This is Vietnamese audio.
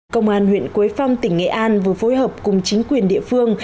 công an huyện quế phong tỉnh nghệ an vừa phối hợp cùng chính quyền địa phương